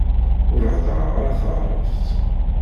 Ur heddreɣ ara taεrabt.